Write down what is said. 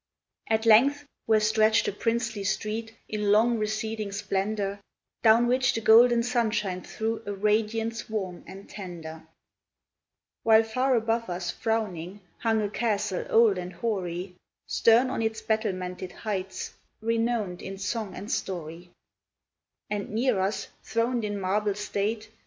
" BY DIVERS PATHS " 443 At length where stretched a princely street In long, receding splendor, Down which the golden sunshine threw A radiance warm and tender ; While far above us, frowning, hung A castle old and hoary, Stern on its battlemented heights Renowned in song and story ; And near us, throned in marble state.